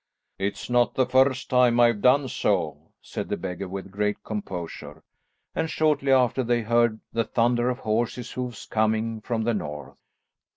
"It's not the first time I've done so," said the beggar with great composure, and shortly after they heard the thunder of horses' hoofs coming from the north.